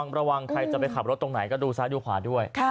ระวังใครจะไปขับรถตรงไหนก็ดูซ้ายดูขวาด้วย